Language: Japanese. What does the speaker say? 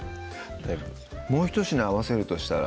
もうひと品合わせるとしたら？